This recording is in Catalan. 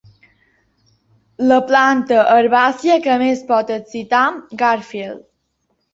La planta herbàcia que més pot excitar Garfield.